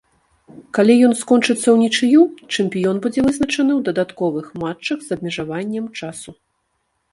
Калі ён скончыцца ўнічыю, чэмпіён будзе вызначаны ў дадатковых матчах з абмежаваннем часу.